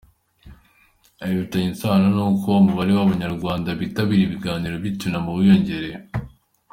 Ibi bifitanye isano n’uko umubare w’Abanyarwanda bitabira ibiganiro by’icyunamo wiyongereye.